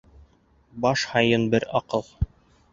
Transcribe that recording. Баш һайын бер аҡыл.